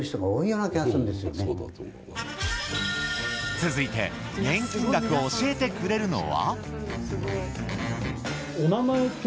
続いて年金額を教えてくれるのは。